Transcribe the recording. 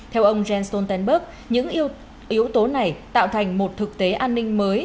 theo ông jens stoltenberg những yếu tố này tạo thành một thực tế an ninh mới